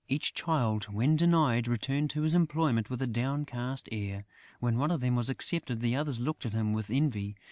Each Child, when denied, returned to his employment with a downcast air. When one of them was accepted, the others looked at him with envy.